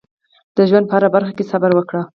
د ژوند په هره برخه کې صبر وکړئ.